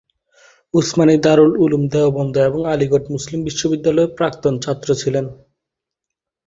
উসমানি দারুল উলূম দেওবন্দ এবং আলিগড় মুসলিম বিশ্ববিদ্যালয়ের প্রাক্তন ছাত্র ছিলেন।